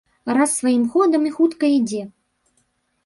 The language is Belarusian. Раз сваім ходам і хутка ідзе.